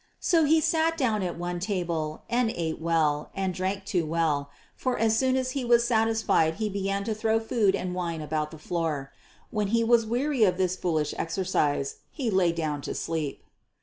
So he sat down at one table and ate well and drank too well, for as soon as he was satisfied he began to throw food and wine about the floor. When he was weary of this foolish exercise, he lay down to sleep.